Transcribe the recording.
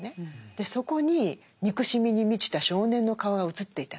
でそこに憎しみに満ちた少年の顔が映っていたと。